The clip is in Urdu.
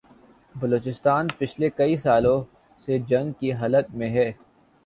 بلوچستان پچھلے کئی سالوں سے جنگ کی حالت میں ہے